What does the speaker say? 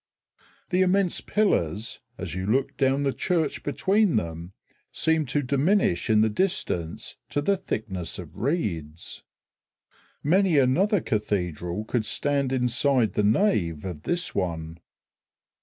The immense pillars, as you look down the church between them, seem to diminish in the distance to the thickness of reeds. Many another cathedral could stand inside the nave of this one.